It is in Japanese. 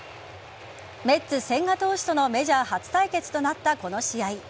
メッツ・千賀投手とのメジャー初対決となったこの試合。